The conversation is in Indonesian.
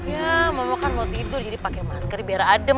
ya mama kan mau tidur jadi pakai masker biar adem